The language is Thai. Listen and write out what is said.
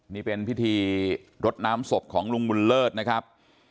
นี่เป็นพิธีรดน้ำศพของลุงบุญเลิศนะครับ